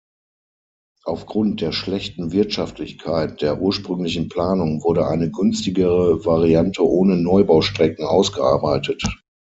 Aufgrund der schlechten Wirtschaftlichkeit der ursprünglichen Planung wurde eine günstigere Variante ohne Neubaustrecken ausgearbeitet.